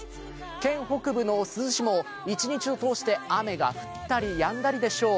県北部の珠洲市も一日を通して雨が降ったりやんだりでしょう。